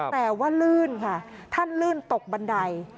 แต่ว่าลื่นค่ะท่านลื่นตกบันได